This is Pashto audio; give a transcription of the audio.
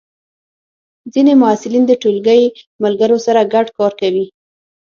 ځینې محصلین د ټولګی ملګرو سره ګډ کار کوي.